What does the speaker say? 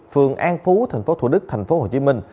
phường an phú tp thủ đức tp hcm